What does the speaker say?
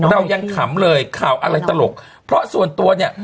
เรายังขำเลยข่าวอะไรตลกเพราะส่วนตัวเนี่ย